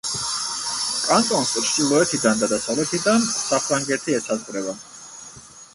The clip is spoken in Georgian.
კანტონს ჩრდილოეთიდან და დასავლეთიდან საფრანგეთი ესაზღვრება.